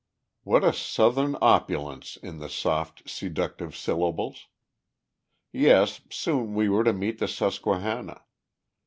What a southern opulence in the soft, seductive syllables! Yes, soon we were to meet the Susquehanna.